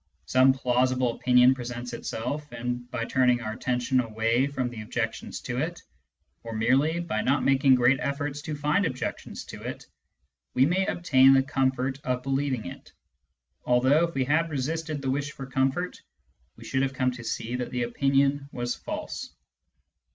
Some plausible opinion presents itself, and by turning our attention away from the objections to it, or merely by not making great efforts to find objections to it, we may obtain the comfort of believing it, although, if we had resisted the wish for comfort, we should have come to see that the opinion was false.